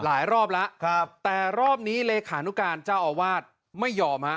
รอบแล้วครับแต่รอบนี้เลขานุการเจ้าอาวาสไม่ยอมฮะ